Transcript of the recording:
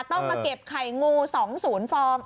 ต้องมาเก็บไข่งูสองศูนย์ฟอง